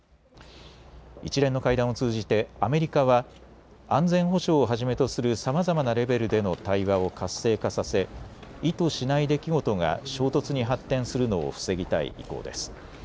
一連の会談を通じてアメリカは安全保障をはじめとするさまざまなレベルでの対話を活性化させ意図しない出来事が衝突に発展するのを防ぎたい意向です。